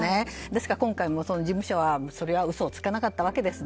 ですから、事務所はそれは嘘をつかなかったわけです。